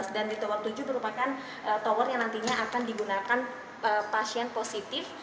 dan di tower tujuh merupakan tower yang nantinya akan digunakan pasien positif